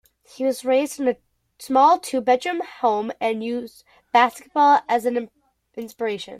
He was raised in a small two-bedroom home and used basketball as an inspiration.